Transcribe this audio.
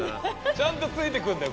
ちゃんとついてくるんだよ